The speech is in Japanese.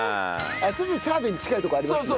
ちょっと澤部に近いとこありますね。